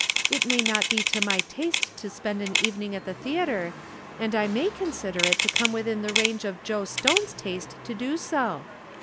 " It may not be to my taste to spend an evening at the theatre, and I may con sider it to come within the range of Joe Stone's taste to do so.